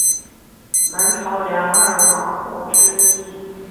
南朝梁二王后之一。